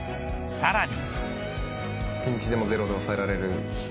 さらに。